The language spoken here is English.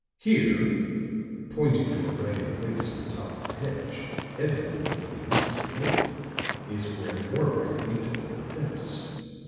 Here," pointing to a ragged place in the top of the hedge, evidently only recently made, "is where Warwick leaped over the fence.